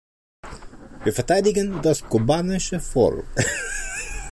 Wir verteidigen das kubanische Volk.